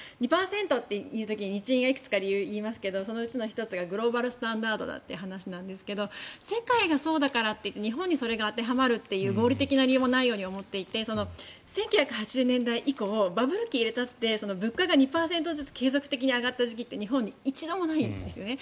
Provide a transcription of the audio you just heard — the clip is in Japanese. ２％っていう時に日銀はいくつか理由を言いますけどそのうちの１つがグローバルスタンダードだという話なんですが世界がそうだからって日本にそれが当てはまるという合理的な理由がないようにも思っていて１９８０年代以降バブル期を入れたって物価が２％ずつ継続的に上がった時期って日本では一度もないんですね。